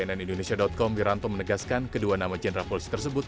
cnn indonesia com wiranto menegaskan kedua nama jenderal polisi tersebut